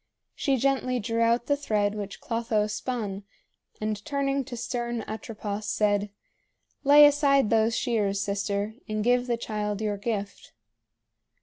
She gently drew out the thread which Clotho spun, and turning to stern Atropos, said: "Lay aside those shears, sister, and give the child your gift."